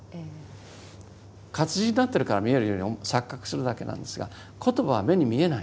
活字になってるから見えるように錯覚するだけなんですが言葉は目に見えない。